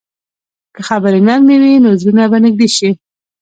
که خبرې نرمې وي، نو زړونه به نږدې شي.